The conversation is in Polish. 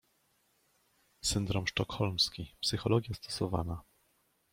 Syndrom sztokholmski, psychologia stosowana.